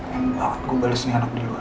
yang bakal gua bales nih anak di luar